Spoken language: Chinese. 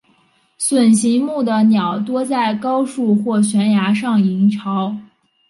隼形目的鸟多在高树或悬崖上营巢。